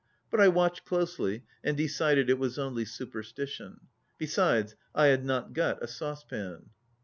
But I watched closely, and decided it was only superstition. Besides, I had not got a saucepan.